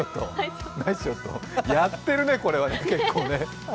やってるね、これは結構ね。